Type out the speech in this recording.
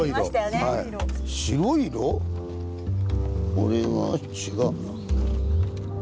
これは違うな。